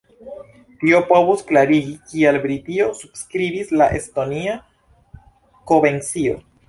Tio povus klarigi, kial Britio subskribis la Estonia-kovencion.